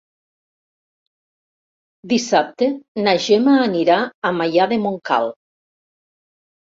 Dissabte na Gemma anirà a Maià de Montcal.